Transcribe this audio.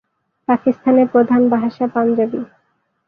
পাকিস্তানের প্রধান ভাষা পাঞ্জাবি।